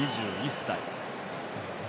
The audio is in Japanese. ２１歳。